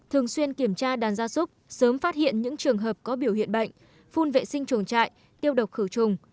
thường xuyên kiểm tra đàn gia súc sớm phát hiện những trường hợp có biểu hiện bệnh phun vệ sinh chuồng trại tiêu độc khử trùng